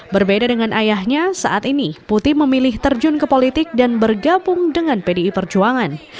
berbeda dengan ayahnya saat ini putih memilih terjun ke politik dan bergabung dengan pdi perjuangan